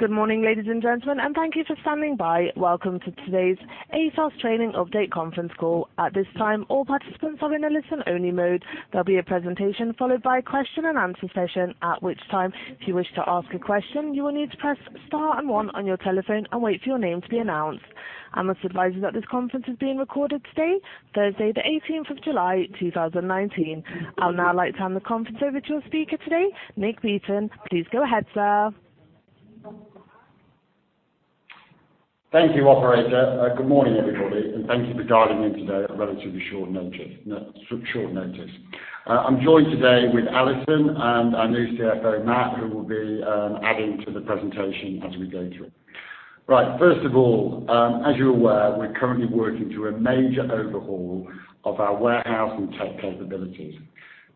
Good morning, ladies and gentlemen, and thank you for standing by. Welcome to today's ASOS Trading Update conference call. At this time, all participants are in a listen-only mode. There will be a presentation followed by a question and answer session, at which time, if you wish to ask a question, you will need to press star and one on your telephone and wait for your name to be announced. I must advise you that this conference is being recorded today, Thursday, the 18th of July, 2019. I will now like to hand the conference over to your speaker today, Nick Beighton. Please go ahead, sir. Thank you, operator. Good morning, everybody, and thank you for dialing in today at relatively short notice. I am joined today with Alison and our new CFO, Mat, who will be adding to the presentation as we go through. As you are aware, we are currently working through a major overhaul of our warehouse and tech capabilities.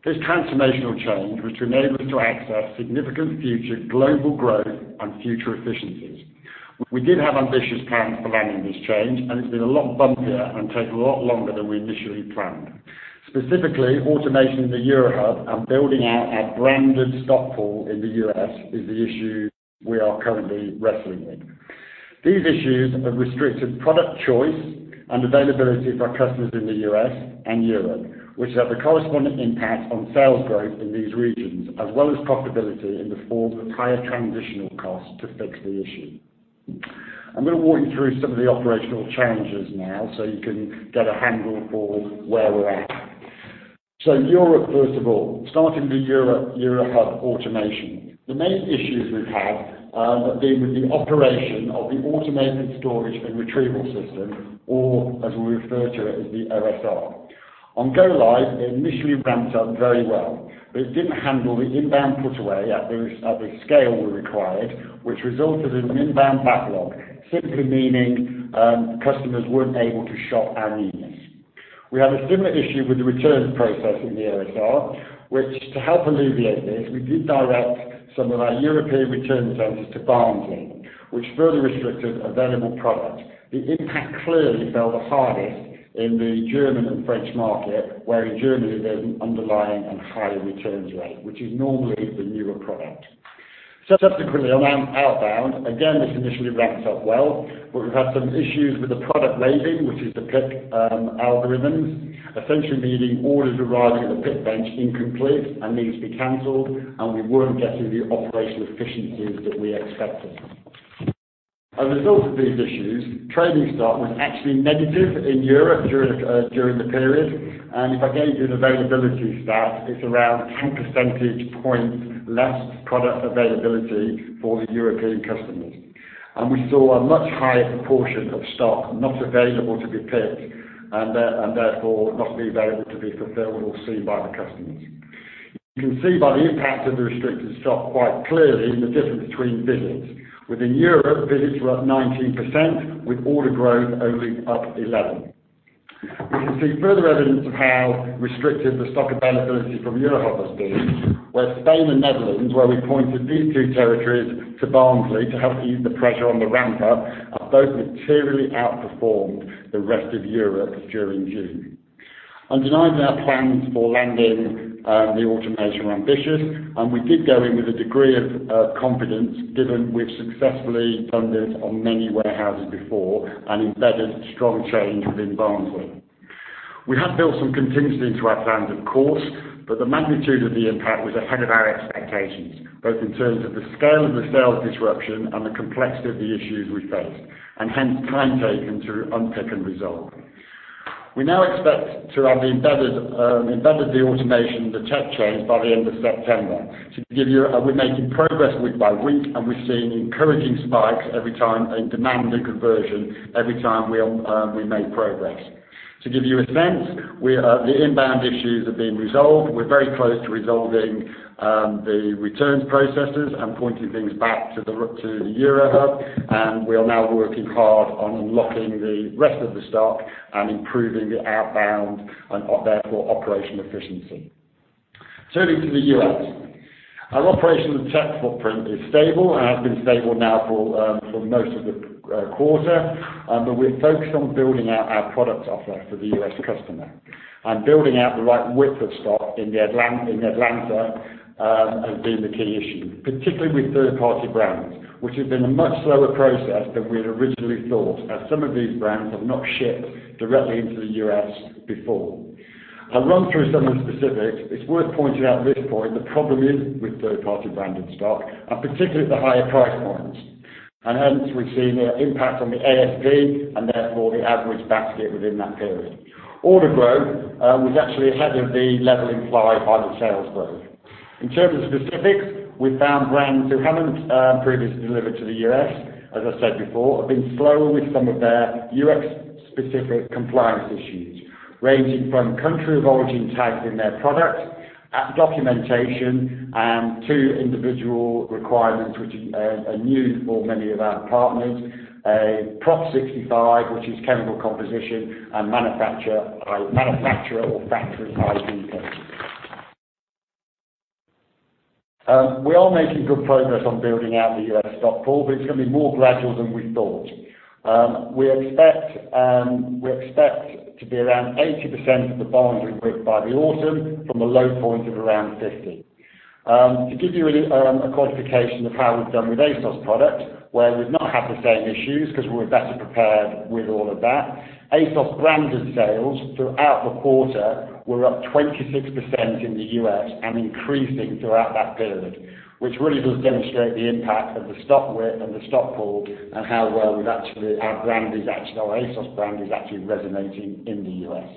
This transformational change was to enable us to access significant future global growth and future efficiencies. We did have ambitious plans for landing this change, and it has been a lot bumpier and taken a lot longer than we initially planned. Specifically, automation in the Eurohub and building out our branded stock pool in the U.S. is the issue we are currently wrestling with. These issues have restricted product choice and availability for our customers in the U.S. and Europe, which have a corresponding impact on sales growth in these regions, as well as profitability in the form of higher transitional costs to fix the issue. I am going to walk you through some of the operational challenges now so you can get a handle for where we are at. Europe, starting with the Eurohub automation. The main issues we have had have been with the operation of the automated storage and retrieval system, or, as we refer to it, as the OSR. On go-live, it initially ramped up very well, but it did not handle the inbound put away at the scale we required, which resulted in an inbound backlog, simply meaning customers were not able to shop our newness. We had a similar issue with the returns process in the OSR, which to help alleviate this, we did direct some of our European return centers to Barnsley, which further restricted available product. The impact clearly fell the hardest in the German and French market, where in Germany, there is an underlying and higher returns rate, which is normally the newer product. On outbound, again, this initially ramps up well, but we have had some issues with the product labeling, which is the pick algorithms. Essentially meaning orders arriving at the pick bench incomplete and needing to be canceled, and we were not getting the operational efficiencies that we expected. As a result of these issues, trading stock was actually negative in Europe during the period. If I go into an availability stat, it is around 10 percentage points less product availability for the European customers. We saw a much higher proportion of stock not available to be picked, therefore not be available to be fulfilled or seen by the customers. You can see by the impact of the restricted stock quite clearly in the difference between visits. Within Europe, visits were up 19%, with order growth only up 11%. We can see further evidence of how restricted the stock availability from Eurohub has been, where Spain and Netherlands, where we pointed these two territories to Barnsley to help ease the pressure on the ramp up, have both materially outperformed the rest of Europe during June. Undeniably, our plans for landing the automation were ambitious, we did go in with a degree of confidence, given we've successfully done this on many warehouses before and embedded strong change within Barnsley. We have built some contingency into our plans, of course, the magnitude of the impact was ahead of our expectations, both in terms of the scale of the sales disruption and the complexity of the issues we faced, hence time taken to unpick and resolve. We now expect to have embedded the automation, the tech change, by the end of September. We're making progress week by week, we're seeing encouraging spikes every time and demand conversion every time we make progress. To give you a sense, the inbound issues have been resolved. We're very close to resolving the returns processes and pointing things back to the Eurohub, we are now working hard on unlocking the rest of the stock and improving the outbound and therefore operational efficiency. Turning to the U.S. Our operational tech footprint is stable, has been stable now for most of the quarter, we're focused on building out our product offer for the U.S. customer and building out the right width of stock in Atlanta has been the key issue, particularly with third-party brands, which has been a much slower process than we had originally thought, as some of these brands have not shipped directly into the U.S. before. I'll run through some of the specifics. It's worth pointing out at this point, the problem is with third-party branded stock, particularly at the higher price points. Hence we've seen the impact on the ASP and therefore the average basket within that period. Order growth was actually ahead of the revenue implied by the sales growth. In terms of specifics, we found brands who haven't previously delivered to the U.S., as I said before, have been slower with some of their U.S.-specific compliance issues, ranging from country of origin tags in their product, documentation, to individual requirements which are new for many of our partners, Prop 65, which is chemical composition, and manufacturer or factory ID pins. We are making good progress on building out the U.S. stock pool, it's going to be more gradual than we thought. We expect to be around 80% of the Barnsley group by the autumn, from a low point of around 50%. To give you a qualification of how we've done with ASOS product, where we've not had the same issues because we were better prepared with all of that, ASOS branded sales throughout the quarter were up 26% in the U.S. and increasing throughout that period, which really does demonstrate the impact of the stock width and the stock pool, and how well our ASOS brand is actually resonating in the U.S.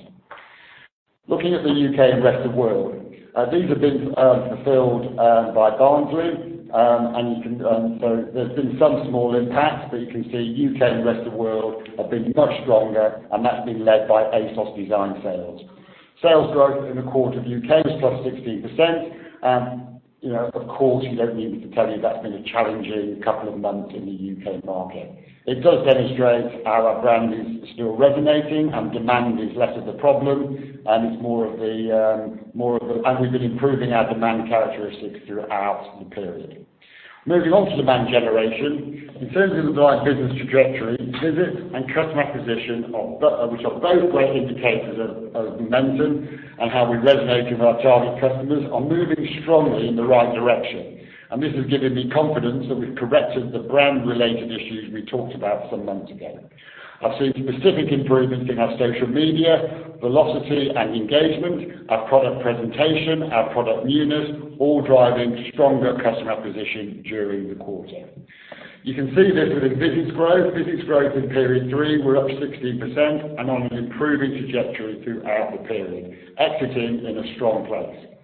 Looking at the U.K. and rest of world, these have been fulfilled by Barnsley. There's been some small impact, but you can see U.K. and rest of world have been much stronger, and that's been led by ASOS Design sales. Sales growth in the quarter of U.K. was plus 16%. Of course, you don't need me to tell you that's been a challenging couple of months in the U.K. market. It does demonstrate how our brand is still resonating and demand is less of the problem, and we've been improving our demand characteristics throughout the period. Moving on to demand generation. In terms of the right business trajectory, visits and customer acquisition, which are both great indicators of momentum and how we resonate with our target customers, are moving strongly in the right direction. This has given me confidence that we've corrected the brand-related issues we talked about some months ago. I've seen specific improvements in our social media, velocity, and engagement, our product presentation, our product newness, all driving stronger customer acquisition during the quarter. You can see this within visits growth. Visits growth in Period 3, we're up 16% and on an improving trajectory throughout the period, exiting in a strong place.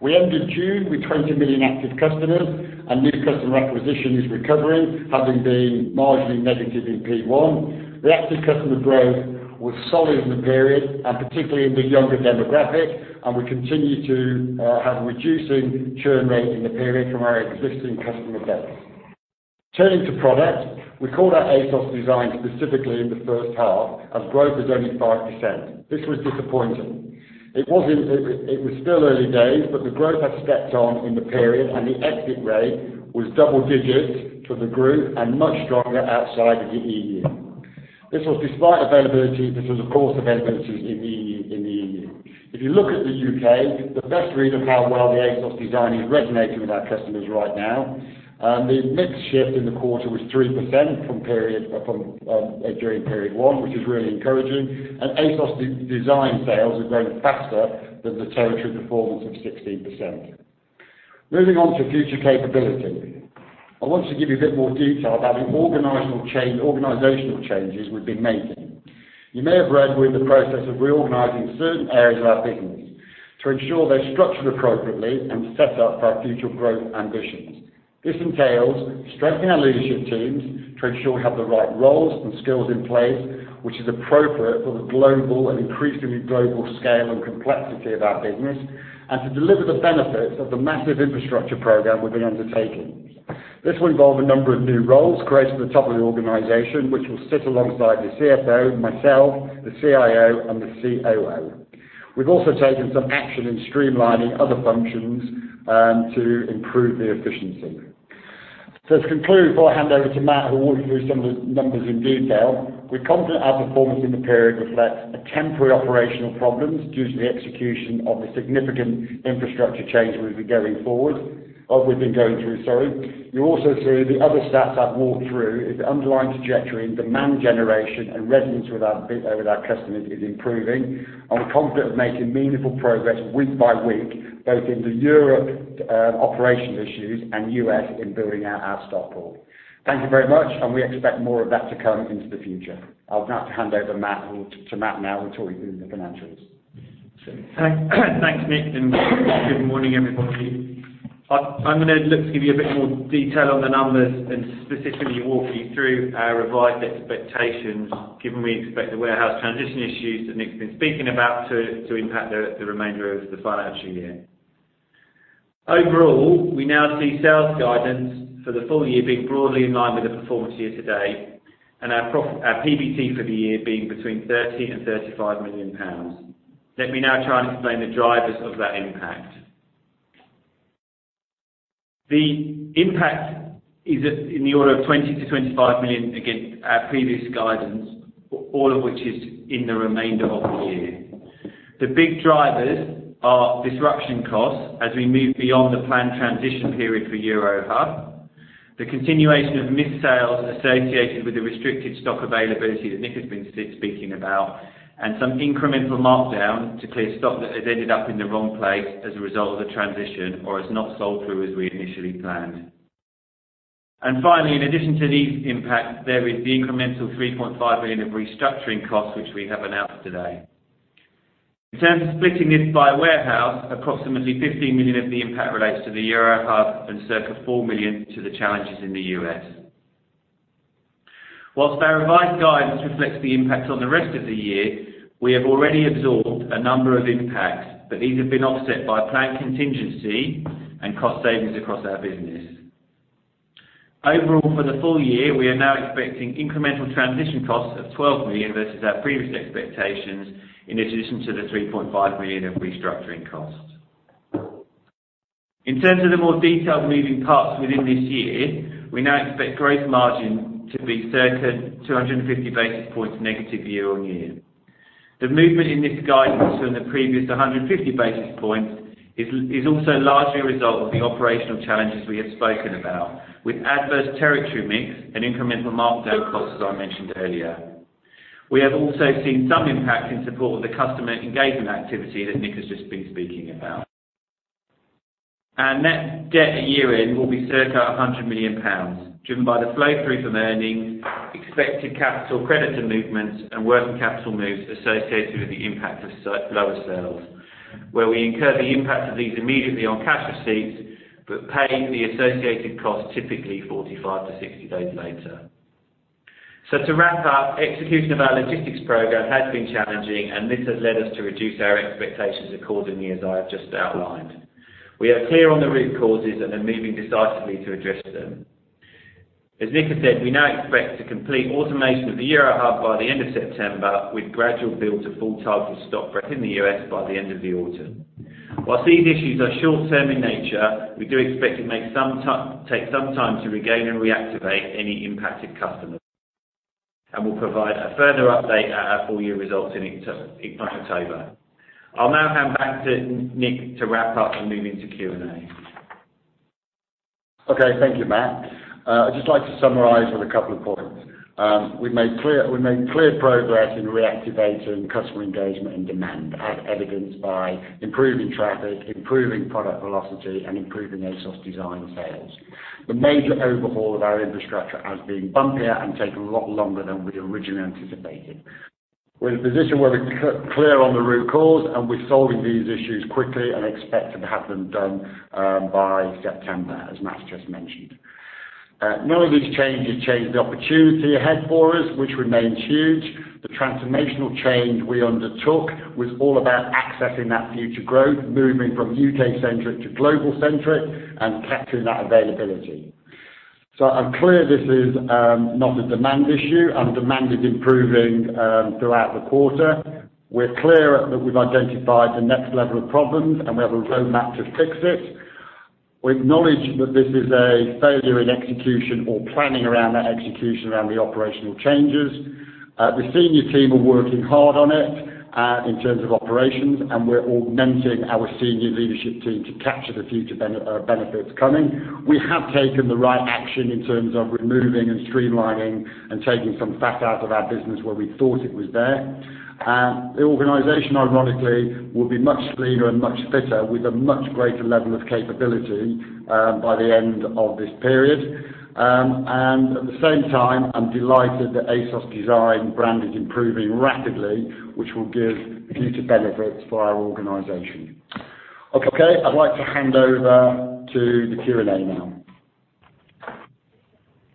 We ended June with 20 million active customers, and new customer acquisition is recovering, having been marginally negative in P1. The active customer growth was solid in the period, and particularly in the younger demographic, and we continue to have a reducing churn rate in the period from our existing customer base. Turning to product. We called out ASOS Design specifically in the first half, as growth was only 5%. This was disappointing. It was still early days, but the growth has stepped on in the period, and the exit rate was double digits for the group and much stronger outside of the EU. This was despite availability issues, of course, availabilities in the EU. If you look at the U.K., the best read of how well the ASOS Design is resonating with our customers right now, the mix shift in the quarter was 3% during Period 1, which is really encouraging, and ASOS Design sales are growing faster than the territory performance of 16%. Moving on to future capability. I want to give you a bit more detail about the organizational changes we've been making. You may have read we're in the process of reorganizing certain areas of our business to ensure they're structured appropriately and set up for our future growth ambitions. This entails strengthening our leadership teams to ensure we have the right roles and skills in place, which is appropriate for the increasingly global scale and complexity of our business, and to deliver the benefits of the massive infrastructure program we've been undertaking. This will involve a number of new roles created at the top of the organization, which will sit alongside the CFO, myself, the CIO, and the COO. We've also taken some action in streamlining other functions to improve the efficiency. To conclude, before I hand over to Mat, who will walk you through some of the numbers in detail, we're confident our performance in the period reflects temporary operational problems due to the execution of the significant infrastructure change we've been going through. You'll also see the other stats I've walked through is underlying trajectory, demand generation, and resonance with our customers is improving, and we're confident of making meaningful progress week by week, both in the Europe operations issues and U.S. in building out our stockpool. Thank you very much. We expect more of that to come into the future. I'll now hand over to Mat now, who'll talk you through the financials. Thanks, Nick. Good morning, everybody. I'm going to look to give you a bit more detail on the numbers and specifically walk you through our revised expectations, given we expect the warehouse transition issues that Nick's been speaking about to impact the remainder of the financial year. Overall, we now see sales guidance for the full year being broadly in line with the performance year to date. Our PBT for the year being between 30 million and 35 million pounds. Let me now try and explain the drivers of that impact. The impact is in the order of 20 million-25 million against our previous guidance, all of which is in the remainder of the year. The big drivers are disruption costs as we move beyond the planned transition period for Eurohub, the continuation of missed sales associated with the restricted stock availability that Nick has been speaking about, and some incremental markdown to clear stock that has ended up in the wrong place as a result of the transition or has not sold through as we initially planned. Finally, in addition to these impacts, there is the incremental 3.5 million of restructuring costs, which we have announced today. In terms of splitting it by warehouse, approximately 15 million of the impact relates to the Eurohub and circa 4 million to the challenges in the U.S. Whilst our revised guidance reflects the impact on the rest of the year, we have already absorbed a number of impacts. These have been offset by planned contingency and cost savings across our business. Overall, for the full year, we are now expecting incremental transition costs of 12 million versus our previous expectations in addition to the 3.5 million of restructuring costs. In terms of the more detailed moving parts within this year, we now expect gross margin to be circa 250 basis points negative year-on-year. The movement in this guidance from the previous 150 basis points is also largely a result of the operational challenges we have spoken about, with adverse territory mix and incremental markdown costs, as I mentioned earlier. We have also seen some impact in support of the customer engagement activity that Nick has just been speaking about. Our net debt at year-end will be circa 100 million pounds, driven by the flow through from earnings, expected capital creditor movements, and working capital moves associated with the impact of lower sales, where we incur the impact of these immediately on cash receipts but pay the associated cost typically 45 to 60 days later. To wrap up, execution of our logistics program has been challenging, and this has led us to reduce our expectations accordingly, as I have just outlined. We are clear on the root causes and are moving decisively to address them. As Nick has said, we now expect to complete automation of the Eurohub by the end of September, with gradual build to full target stock within the U.S. by the end of the autumn. Whilst these issues are short-term in nature, we do expect it may take some time to regain and reactivate any impacted customers, and we'll provide a further update at our full-year results in October. I'll now hand back to Nick to wrap up and move into Q&A. Okay. Thank you, Mat. I'd just like to summarize with a couple of points. We've made clear progress in reactivating customer engagement and demand, as evidenced by improving traffic, improving product velocity, and improving ASOS Design sales. The major overhaul of our infrastructure has been bumpier and taken a lot longer than we originally anticipated. We're in a position where we're clear on the root cause, and we're solving these issues quickly and expect to have them done by September, as Mat's just mentioned. None of these changes change the opportunity ahead for us, which remains huge. The transformational change we undertook was all about accessing that future growth, moving from U.K.-centric to global-centric, and capturing that availability. I'm clear this is not a demand issue. Demand is improving throughout the quarter. We're clear that we've identified the next level of problems, we have a roadmap to fix it. We acknowledge that this is a failure in execution or planning around that execution, around the operational changes. The senior team are working hard on it, in terms of operations, and we're augmenting our senior leadership team to capture the future benefits coming. We have taken the right action in terms of removing, and streamlining, and taking some fat out of our business where we thought it was there. The organization, ironically, will be much leaner and much fitter with a much greater level of capability, by the end of this period. At the same time, I'm delighted that ASOS Design brand is improving rapidly, which will give future benefits for our organization. Okay. I'd like to hand over to the Q&A now.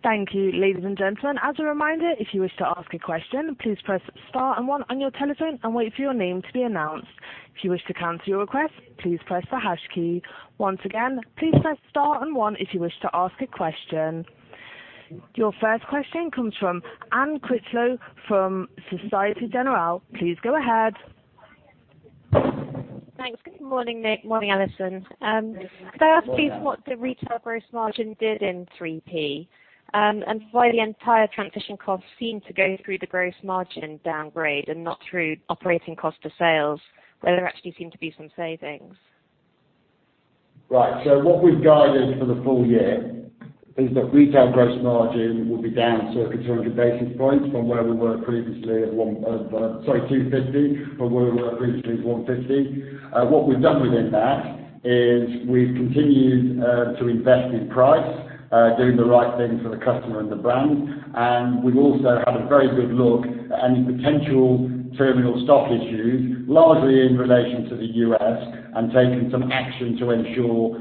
Thank you, ladies and gentlemen. As a reminder, if you wish to ask a question, please press star and one on your telephone and wait for your name to be announced. If you wish to cancel your request, please press the hash key. Once again, please press star and one if you wish to ask a question. Your first question comes from Anne Critchlow from Société Générale. Please go ahead. Thanks. Good morning, Nick. Morning, Alison. Morning, Anne. Could I ask you what the retail gross margin did in 3P, and why the entire transition costs seem to go through the gross margin downgrade and not through operating cost of sales, where there actually seem to be some savings? Right. What we've guided for the full year is that retail gross margin will be down circa 200 basis points from where we were previously at Sorry, 250, from where we were previously at 150. What we've done within that is we've continued to invest in price, doing the right thing for the customer and the brand. We've also had a very good look at any potential terminal stock issues, largely in relation to the U.S., and taken some action to ensure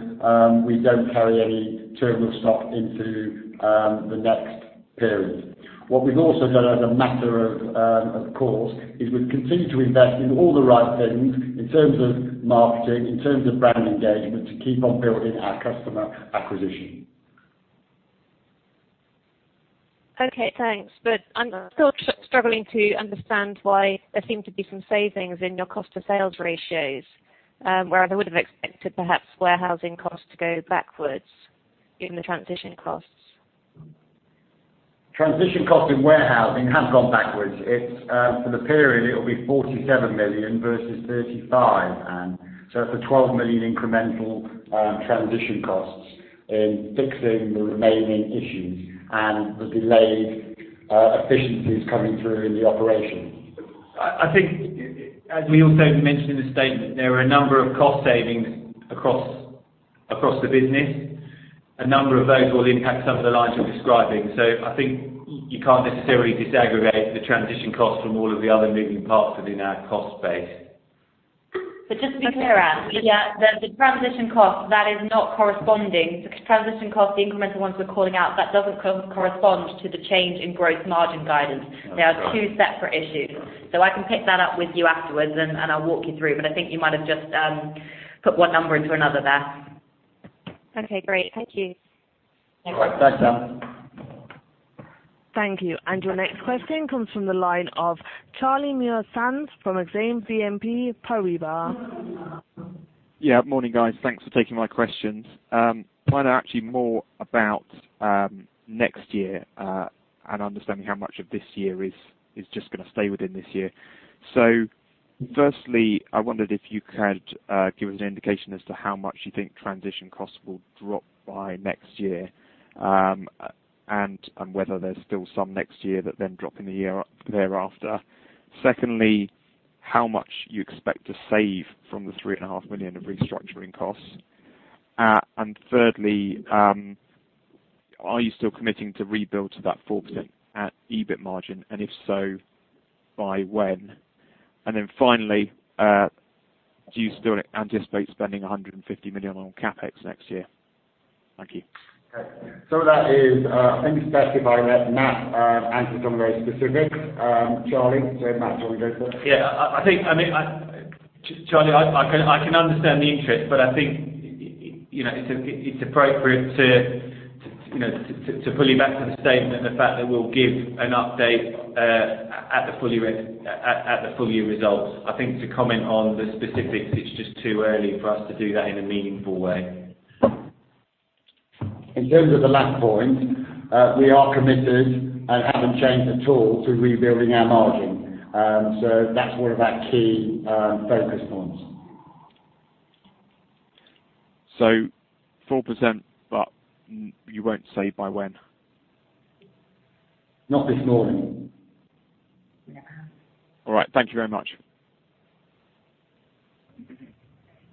we don't carry any terminal stock into the next period. What we've also done as a matter of course, is we've continued to invest in all the right things in terms of marketing, in terms of brand engagement, to keep on building our customer acquisition. Okay, thanks. I'm still struggling to understand why there seem to be some savings in your cost to sales ratios, where I would have expected perhaps warehousing costs to go backwards given the transition costs. Transition cost in warehousing has gone backwards. For the period, it will be 47 million versus 35 million, Anne. It's a 12 million incremental transition costs in fixing the remaining issues and the delayed efficiencies coming through in the operation. I think, as we also mentioned in the statement, there are a number of cost savings across the business. A number of those will impact some of the lines you're describing. I think you can't necessarily disaggregate the transition cost from all of the other moving parts within our cost base. Just to be clear, Anne, the transition cost, the incremental ones we're calling out, that doesn't correspond to the change in gross margin guidance. That's right. They are two separate issues. Sure. I can pick that up with you afterwards, and I'll walk you through, but I think you might have just put one number into another there. Okay, great. Thank you. All right. Thanks, Anne. Thank you. Your next question comes from the line of Charlie Muir-Sands from Exane BNP Paribas. Morning, guys. Thanks for taking my questions. Trying to actually more about next year and understanding how much of this year is just going to stay within this year. Firstly, I wondered if you could give us an indication as to how much you think transition costs will drop by next year, and whether there's still some next year that then drop in the year thereafter. Secondly, how much you expect to save from the three and a half million GBP of restructuring costs? Thirdly, are you still committing to rebuild to that 4% EBIT margin? If so, by when? Finally, do you still anticipate spending 150 million on CapEx next year? Thank you. Okay. That is, I think it's best if Mat answers on those specifics. Charlie, to Mat Yeah. Charlie, I can understand the interest, but I think it's appropriate to pull you back to the statement, the fact that we'll give an update at the full year results. I think to comment on the specifics, it's just too early for us to do that in a meaningful way. In terms of the last point, we are committed, and haven't changed at all, to rebuilding our margin. That's one of our key focus points. 4%, but you won't say by when. Not this morning. All right. Thank you very much.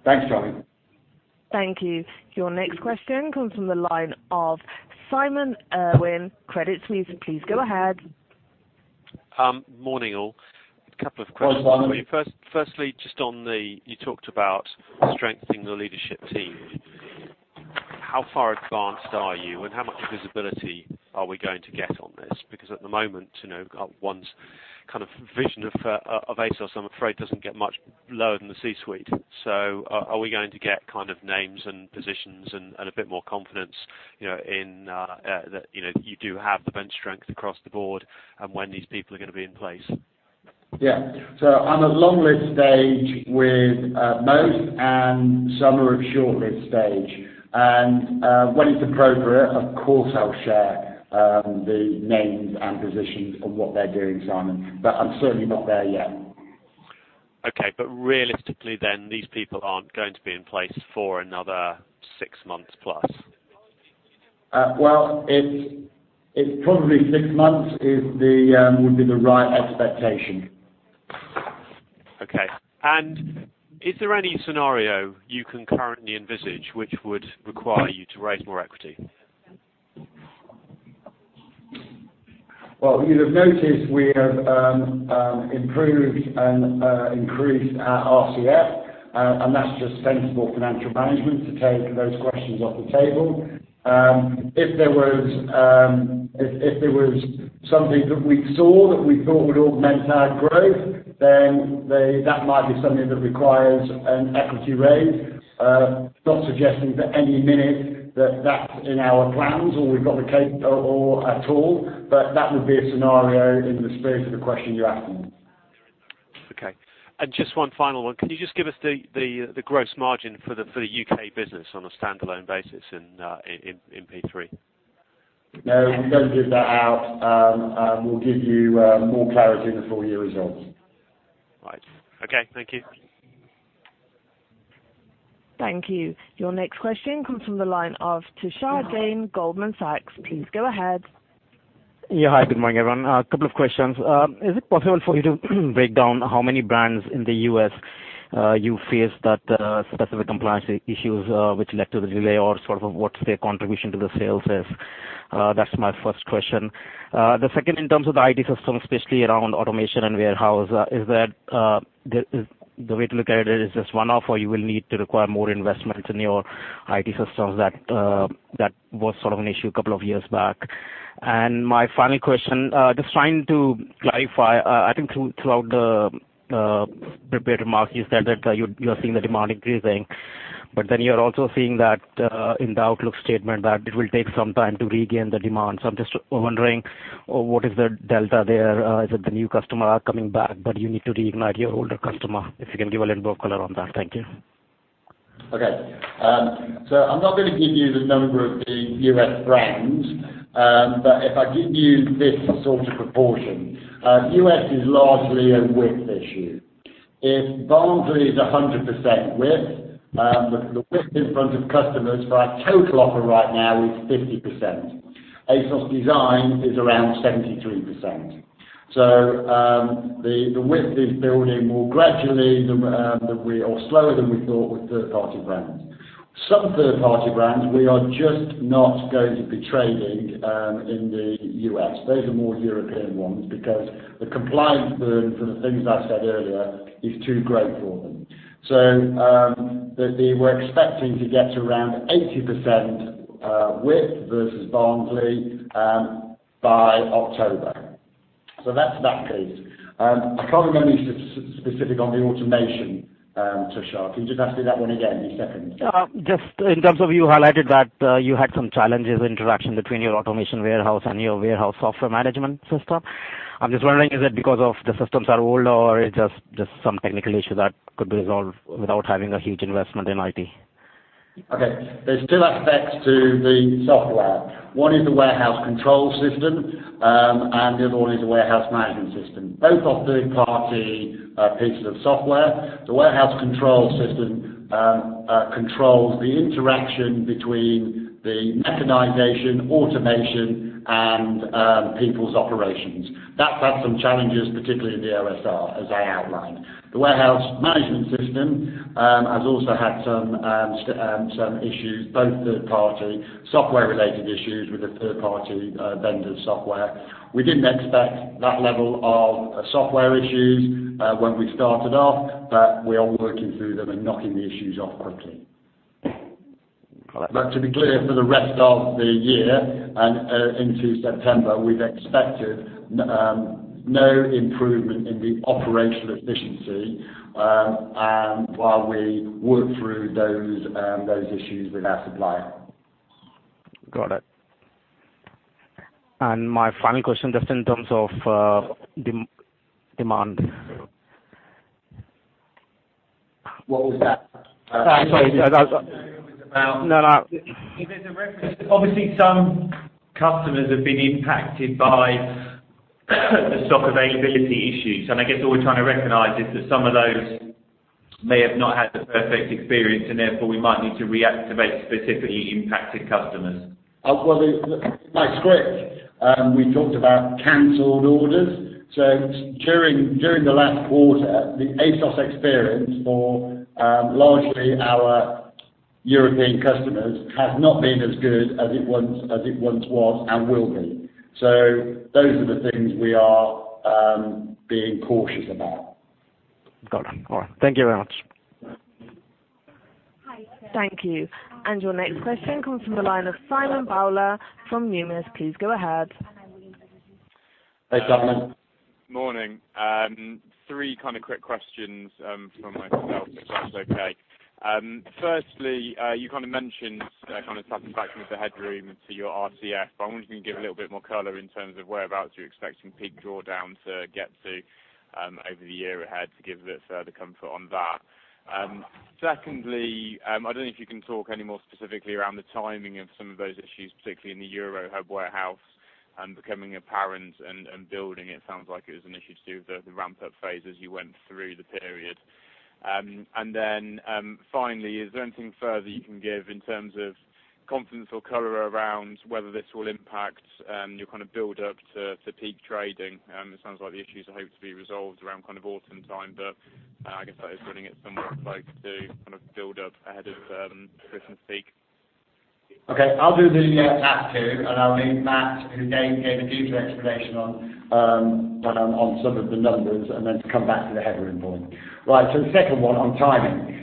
Thanks, Charlie. Thank you. Your next question comes from the line of Simon Irwin, Credit Suisse. Please go ahead. Morning, all. A couple of questions for you. Morning. Firstly, you talked about strengthening the leadership team. How far advanced are you, and how much visibility are we going to get on this? At the moment, one's vision of ASOS, I'm afraid, doesn't get much lower than the C-suite. Are we going to get names and positions and a bit more confidence that you do have the bench strength across the board, and when these people are going to be in place? Yeah. I'm at long list stage with most, and some are at short list stage. When it's appropriate, of course, I'll share the names and positions and what they're doing, Simon. I'm certainly not there yet. Okay. Realistically then, these people aren't going to be in place for another six months plus. It's probably six months would be the right expectation. Okay. Is there any scenario you can currently envisage which would require you to raise more equity? You'll have noticed we have improved and increased our RCF, and that's just sensible financial management to take those questions off the table. If there was something that we saw that we thought would augment our growth, then that might be something that requires an equity raise. Not suggesting for any minute that that's in our plans or we've got the CapEx or at all, but that would be a scenario in the spirit of the question you're asking. Okay. Just one final one. Can you just give us the gross margin for the U.K. business on a standalone basis in P3? No, we don't give that out. We'll give you more clarity in the full year results. Right. Okay. Thank you. Thank you. Your next question comes from the line of Tushar Jain, Goldman Sachs. Please go ahead. Yeah, hi. Good morning, everyone. A couple of questions. Is it possible for you to break down how many brands in the U.S. you face that specific compliance issues which led to the delay or sort of what their contribution to the sales is? That's my first question. The second, in terms of the IT system, especially around automation and warehouse, is the way to look at it is just one-off, or you will need to require more investments in your IT systems that was sort of an issue a couple of years back. My final question, just trying to clarify, I think throughout the prepared remarks, you said that you are seeing the demand increasing, but then you're also seeing that in the outlook statement that it will take some time to regain the demand. I'm just wondering what is the delta there? Is it the new customer are coming back, you need to reignite your older customer? If you can give a little color on that. Thank you. Okay. I'm not going to give you the number of the U.S. brands. If I give you this sort of proportion. U.S. is largely a width issue. If Barnsley is 100% width, the width in front of customers for our total offer right now is 50%. ASOS Design is around 73%. The width is building more gradually, or slower than we thought with third-party brands. Some third-party brands, we are just not going to be trading in the U.S. Those are more European ones because the compliance burden, from the things I said earlier, is too great for them. We're expecting to get around 80% width versus Barnsley by October. So that's that piece. I can't remember any specific on the automation, Tushar. Can you just ask me that one again, the second? Just in terms of you highlighted that you had some challenges interaction between your automation warehouse and your warehouse software management system. I'm just wondering, is it because of the systems are old or it's just some technical issue that could be resolved without having a huge investment in IT? Okay. There's two aspects to the software. One is the warehouse control system, and the other one is the warehouse management system. Both are third-party pieces of software. The warehouse control system controls the interaction between the mechanization, automation, and people's operations. That's had some challenges, particularly in the OSR, as I outlined. The warehouse management system has also had some issues, both third-party, software-related issues with a third-party vendor's software. We didn't expect that level of software issues when we started off, we are working through them and knocking the issues off quickly. Got it. To be clear, for the rest of the year and into September, we've expected no improvement in the operational efficiency while we work through those issues with our supplier. Got it. My final question, just in terms of demand. What was that? Sorry. Obviously, some customers have been impacted by the stock availability issues. I guess all we're trying to recognize is that some of those may have not had the perfect experience and therefore we might need to reactivate specifically impacted customers. Well, my script, we talked about canceled orders. During the last quarter, the ASOS experience for largely our European customers has not been as good as it once was and will be. Those are the things we are being cautious about. Got it. All right. Thank you very much. Thank you. Your next question comes from the line of Simon Bowler from Numis. Please go ahead. Hey, Simon. Morning. Three kind of quick questions from myself, if that's okay. Firstly, you kind of mentioned kind of satisfaction with the headroom to your RCF, I wonder if you can give a little bit more color in terms of whereabouts you're expecting peak drawdown to get to over the year ahead to give a bit further comfort on that. Secondly, I don't know if you can talk any more specifically around the timing of some of those issues, particularly in the Euro hub warehouse and becoming apparent and building it. Sounds like it was an issue to do with the ramp-up phase as you went through the period. Then finally, is there anything further you can give in terms of confidence or color around whether this will impact your kind of build-up to peak trading? It sounds like the issues are hoped to be resolved around autumn time, I guess that is running at somewhat close to kind of build up ahead of Christmas peak. Okay. I'll do the latter two. I'll need Mat, who gave a deeper explanation on some of the numbers, then to come back to the headroom point. The second one on timing.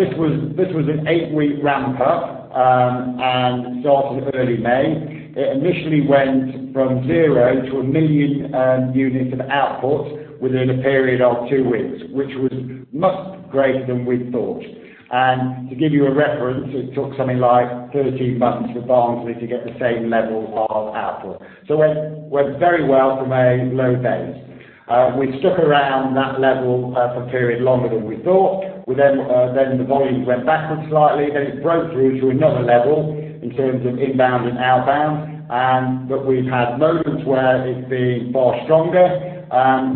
This was an 8-week ramp up. It started early May. It initially went from 0 to 1 million units of output within a period of 2 weeks, which was much greater than we thought. To give you a reference, it took something like 13 months for Barnsley to get the same level of output. It went very well from a low base. We've stuck around that level for a period longer than we thought. The volumes went backwards slightly. It broke through to another level in terms of inbound and outbound. We've had moments where it's been far stronger.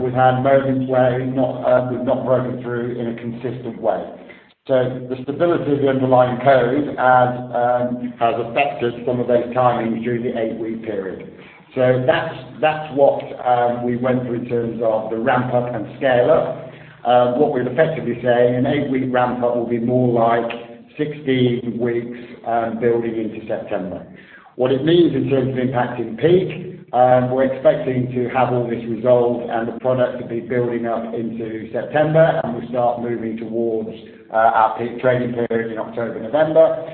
We've had moments where it was not broken through in a consistent way. The stability of the underlying code has affected some of those timings during the 8-week period. That's what we went through in terms of the ramp up and scale up. What we're effectively saying, an 8-week ramp up will be more like 16 weeks building into September. What it means in terms of impacting peak, we're expecting to have all this resolved and the product to be building up into September. We start moving towards our peak trading period in October, November.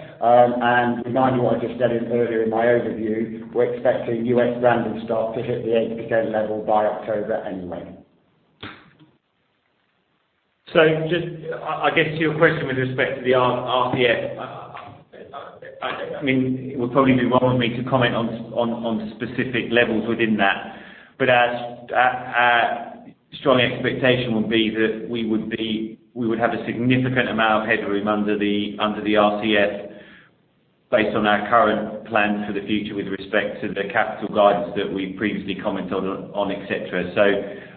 Remind you what I just said earlier in my overview, we're expecting U.S. random stock to hit the 80% level by October anyway. Just I guess to your question with respect to the RCF, it would probably be wrong for me to comment on specific levels within that. Our strong expectation would be that we would have a significant amount of headroom under the RCF based on our current plans for the future with respect to the capital guidance that we previously commented on, et cetera.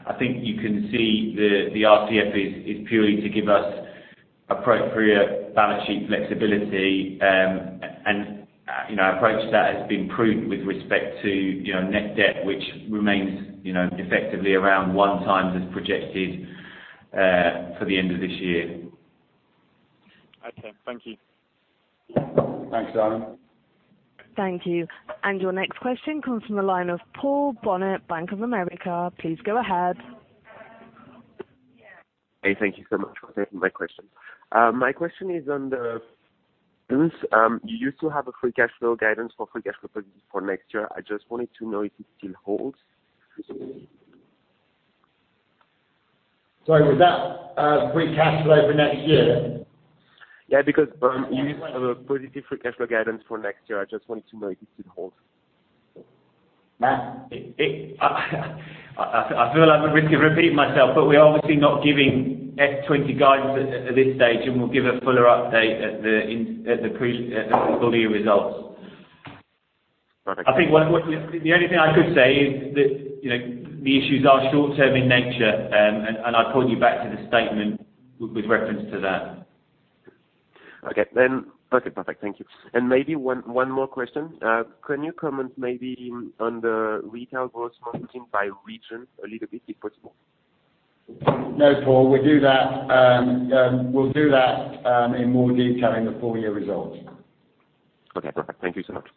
I think you can see the RCF is purely to give us appropriate balance sheet flexibility. Our approach to that has been prudent with respect to net debt, which remains effectively around 1 times as projected for the end of this year. Okay. Thank you. Thanks, Simon. Thank you. Your next question comes from the line of Paul Bonnet, Bank of America. Please go ahead. Hey, thank you so much for taking my question. My question is on the, you used to have a free cash flow guidance for free cash flow for next year. I just wanted to know if it still holds. Sorry, was that free cash flow for next year? Yeah, because you used to have a positive free cash flow guidance for next year. I just wanted to know if it still holds. Mat, I feel I'm at risk of repeating myself, we're obviously not giving F20 guidance at this stage, we'll give a fuller update at the full year results. Perfect. I think the only thing I could say is that the issues are short-term in nature, I'd point you back to the statement with reference to that. Okay. Perfect, thank you. Maybe one more question. Can you comment maybe on the retail growth margin by region a little bit, if possible? No, Paul. We'll do that in more detail in the full year results. Okay, perfect. Thank you so much.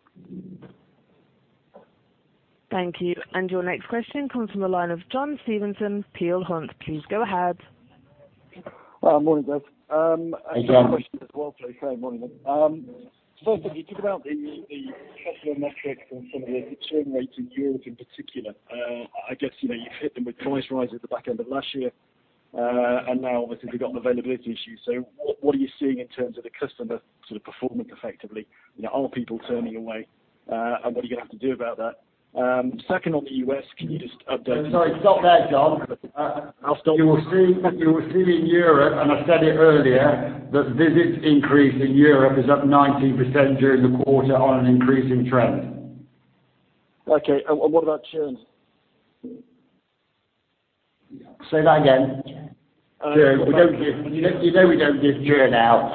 Thank you. Your next question comes from the line of John Stevenson, Peel Hunt. Please go ahead. Morning, guys. Hey, John. I have a question as well, so sorry. Morning, then. First thing, you talk about the customer metrics and some of the churn rates in Europe in particular. I guess, you've hit them with price rises at the back end of last year, and now obviously we've got an availability issue. What are you seeing in terms of the customer sort of performance effectively? Are people turning away, and what are you going to have to do about that? Second, on the U.S., can you just update- I'm sorry, stop there, John. I'll stop. You will see in Europe, I said it earlier, that visits increase in Europe is up 19% during the quarter on an increasing trend. Okay, what about churn? Say that again. You know we don't give churn out,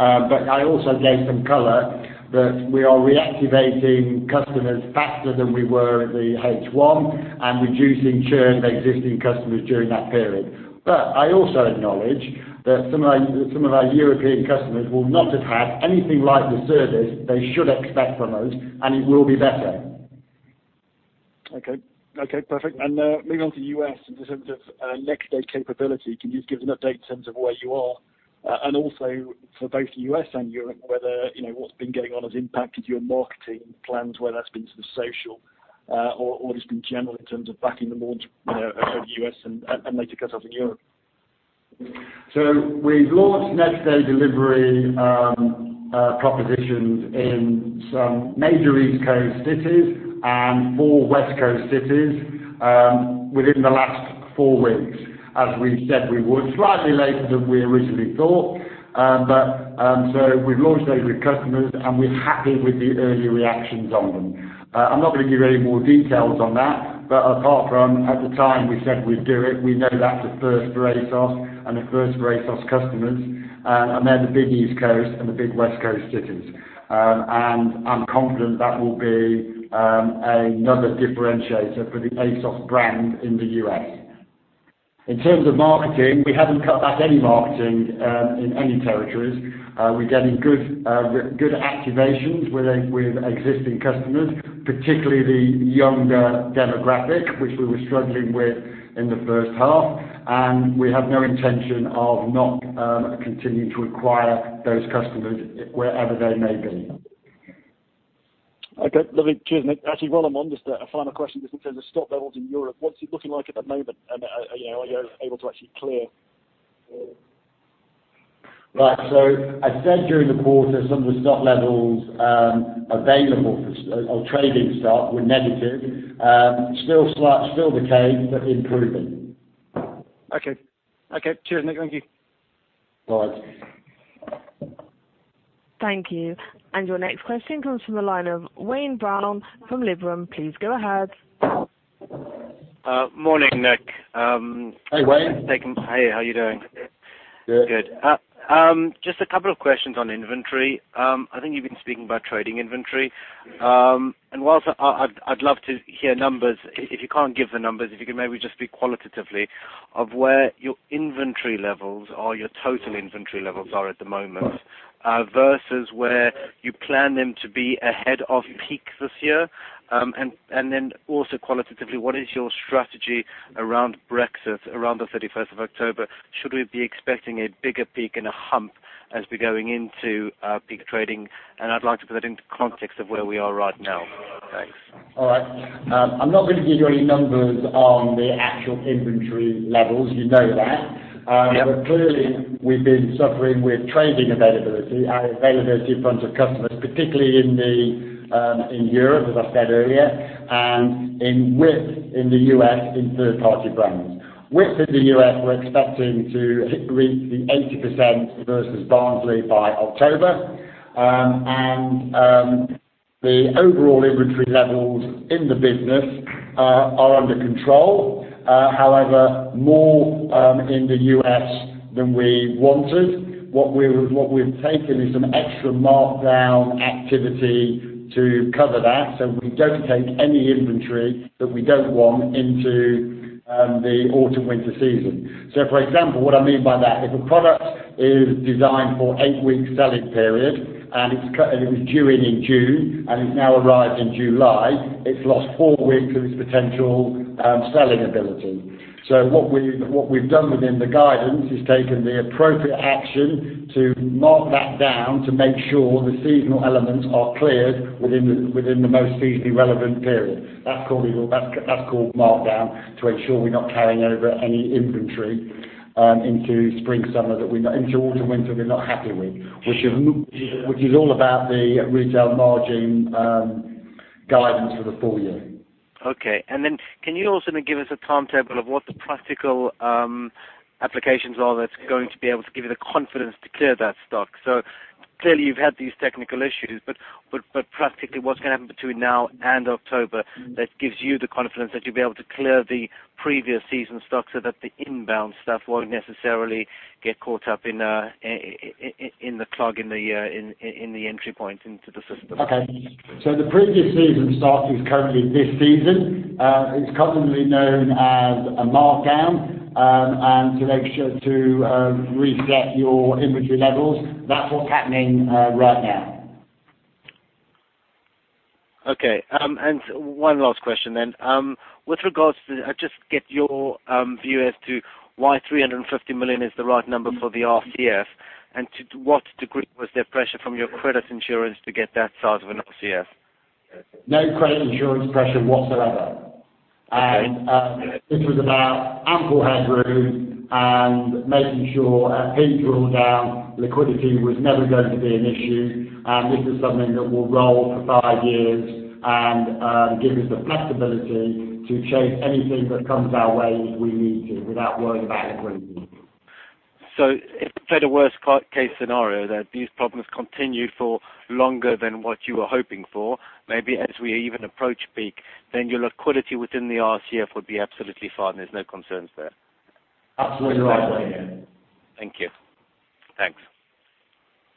I also gave some color that we are reactivating customers faster than we were in the H1 and reducing churn of existing customers during that period. I also acknowledge that some of our European customers will not have had anything like the service they should expect from us, and it will be better. Okay. Okay, perfect. Moving on to U.S. in terms of next day capability, can you just give us an update in terms of where you are? Also for both U.S. and Europe, whether what's been going on has impacted your marketing plans, whether that's been sort of social or just in general in terms of backing the launch of U.S. and later cuts off in Europe. We've launched next day delivery propositions in some major East Coast cities and four West Coast cities within the last four weeks, as we said we would. Slightly later than we originally thought. We've launched those with customers, and we're happy with the early reactions on them. I'm not going to give you any more details on that, but apart from at the time we said we'd do it, we know that's a first for ASOS and a first for ASOS customers, and they're the big East Coast and the big West Coast cities. I'm confident that will be another differentiator for the ASOS brand in the U.S. In terms of marketing, we haven't cut back any marketing in any territories. We're getting good activations with existing customers, particularly the younger demographic, which we were struggling with in the first half. We have no intention of not continuing to acquire those customers wherever they may be. Okay. Lovely. Cheers, Nick. Actually, while I'm on, just a final question, just in terms of stock levels in Europe, what's it looking like at the moment? Are you able to actually clear? Right. I said during the quarter, some of the stock levels available for our trading stock were negative. Still the case, but improving. Okay. Okay. Cheers, Nick. Thank you. Bye. Thank you. Your next question comes from the line of Wayne Brown from Liberum. Please go ahead. Morning, Nick. Hey, Wayne. Hey, how you doing? Good. Good. Just a couple of questions on inventory. I think you've been speaking about trading inventory. Whilst I'd love to hear numbers, if you can't give the numbers, if you could maybe just speak qualitatively of where your inventory levels or your total inventory levels are at the moment. Right versus where you plan them to be ahead of peak this year. Also qualitatively, what is your strategy around Brexit, around the 31st of October? Should we be expecting a bigger peak and a hump as we're going into peak trading? I'd like to put it into context of where we are right now. Thanks. All right. I'm not going to give you any numbers on the actual inventory levels. You know that. Yeah. Clearly, we've been suffering with trading availability, our availability in front of customers, particularly in Europe, as I said earlier, and in width in the U.S. in third-party brands. Width in the U.S., we're expecting to reach the 80% versus Barnsley by October. The overall inventory levels in the business are under control. However, more in the U.S. than we wanted. What we've taken is some extra markdown activity to cover that, so we don't take any inventory that we don't want into the autumn-winter season. For example, what I mean by that, if a product is designed for eight-week selling period, and it was due in in June and it now arrives in July. It's lost four weeks of its potential selling ability. What we've done within the guidance is taken the appropriate action to mark that down to make sure the seasonal elements are cleared within the most seasonally relevant period. That's called markdown, to ensure we're not carrying over any inventory into autumn/winter that we're not happy with, which is all about the retail margin guidance for the full year. Okay. Can you also then give us a timetable of what the practical applications are that's going to be able to give you the confidence to clear that stock? Clearly, you've had these technical issues, but practically, what's going to happen between now and October that gives you the confidence that you'll be able to clear the previous season stock so that the inbound stuff won't necessarily get caught up in the clog in the entry point into the system? Okay. The previous season stock is currently this season. It's commonly known as a markdown, and to make sure to reset your inventory levels. That's what's happening right now. Okay. One last question then. With regards to, just to get your view as to why 350 million is the right number for the RCF, and to what degree was there pressure from your credit insurance to get that size of an RCF? No credit insurance pressure whatsoever. Okay. This was about ample headroom and making sure as debt rolled down, liquidity was never going to be an issue. This is something that will roll for five years and give us the flexibility to chase anything that comes our way if we need to, without worrying about liquidity. If we play the worst-case scenario that these problems continue for longer than what you were hoping for, maybe as we even approach peak, then your liquidity within the RCF would be absolutely fine. There are no concerns there. Absolutely right, Wayne. Thank you. Thanks.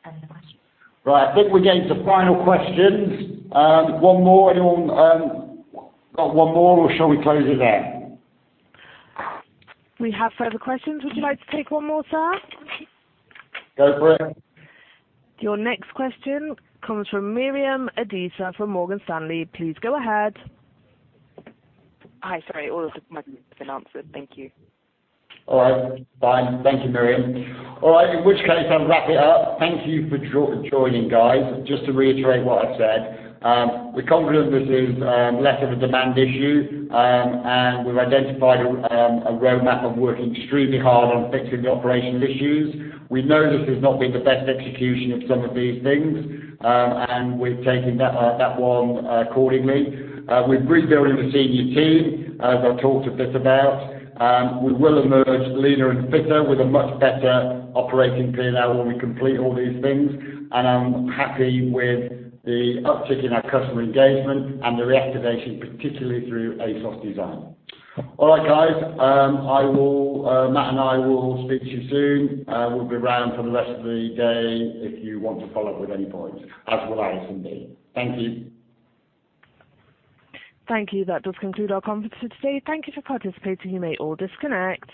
Any more questions? Right. I think we're getting to final questions. One more. Anyone got one more or shall we close it there? We have further questions. Would you like to take one more, sir? Go for it. Your next question comes from Miriam Adisa from Morgan Stanley. Please go ahead. Hi. Sorry. All of my questions have been answered. Thank you. All right. Fine. Thank you, Miriam. All right. In which case, I'll wrap it up. Thank you for joining, guys. Just to reiterate what I said. We're confident this is less of a demand issue. We've identified a roadmap of working extremely hard on fixing the operational issues. We know this has not been the best execution of some of these things, and we've taken that one accordingly. We're rebuilding the senior team, as I talked a bit about. We will emerge leaner and fitter with a much better operating P&L when we complete all these things. I'm happy with the uptick in our customer engagement and the reactivation, particularly through ASOS Design. All right, guys. Matt and I will speak to you soon. We'll be around for the rest of the day if you want to follow up with any points, [as well as Andy]. Thank you. Thank you. That does conclude our conference for today. Thank you for participating. You may all disconnect.